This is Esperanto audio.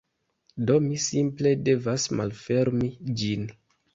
Do, mi simple devas malfermi ĝin